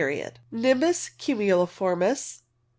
Nimbus cumuliformis.